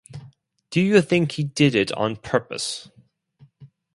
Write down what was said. Do you think he did it on purpose?